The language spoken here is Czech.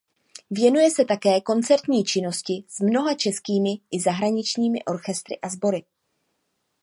Věnuje se také koncertní činnosti s mnoha českými i zahraničními orchestry a sbory.